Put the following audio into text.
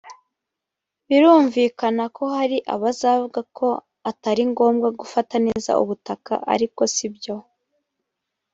birumvikana ko hari abazavuga ko atari ngombwa gufata neza ubutaka ariko si byo